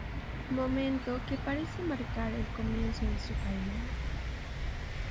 Momento que parece marcar el comienzo de su caída.